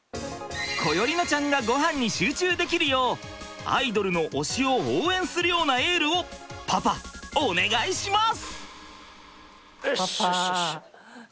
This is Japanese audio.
心縁乃ちゃんがごはんに集中できるようアイドルの推しを応援するようなエールをパパお願いします！